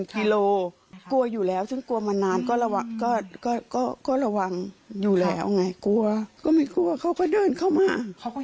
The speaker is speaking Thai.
เขาก็ยังเดินเข้ามา